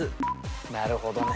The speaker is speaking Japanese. なるほどね。